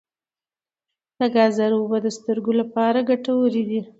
د ګازرو اوبه د سترګو لپاره ګټورې دي.